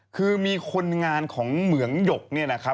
คือมีคนงานของเหมืองหยก